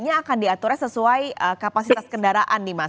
ini akan diaturnya sesuai kapasitas kendaraan nih mas